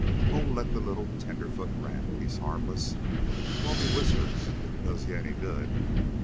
"Oh, let the little tenderfoot rant. He's harmless. Call me Whiskers, if it does ye any good."